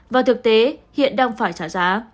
và thực tế hiện đang phải trả giá